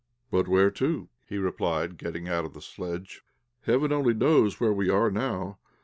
"But where to?" he replied, getting out of the sledge. "Heaven only knows where we are now.